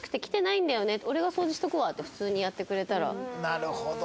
なるほど！